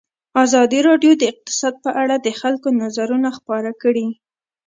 ازادي راډیو د اقتصاد په اړه د خلکو نظرونه خپاره کړي.